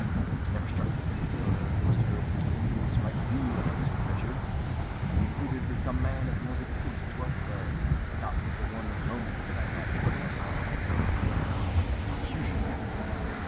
"It never struck me who the owner of those terrific symbols might be," answered Richard. "I concluded that some man of morbid taste dwelt there; but not for one moment did I imagine that I was in the presence of the public executioner."